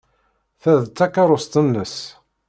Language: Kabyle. Ta d takeṛṛust-nnes.